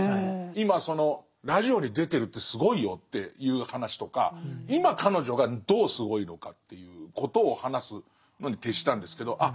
今そのラジオに出てるってすごいよっていう話とか今彼女がどうすごいのかっていうことを話すのに徹したんですけど